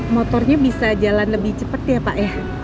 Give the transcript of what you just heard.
motornya bisa jalan lebih cepat ya pak ya